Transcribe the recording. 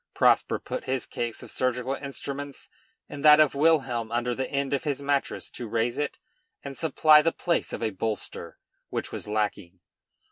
Prosper put his case of surgical instruments and that of Wilhelm under the end of his mattress to raise it and supply the place of a bolster, which was lacking.